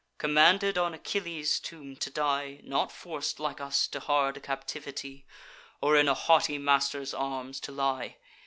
Commanded on Achilles' tomb to die, Not forc'd, like us, to hard captivity, Or in a haughty master's arms to lie.